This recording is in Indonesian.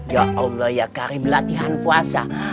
ya allah ya karim latihan puasa